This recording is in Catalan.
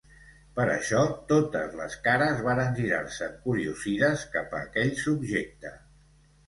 Per això totes les cares varen girar-se encuriosides cap a aquell subjecte.